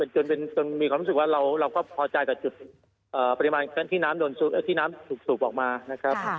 จนมีความรู้สึกว่าเราก็พอใจกับจุดปริมาณที่น้ำที่น้ำสูบออกมานะครับ